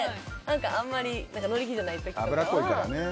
あまり乗り気じゃない時とか。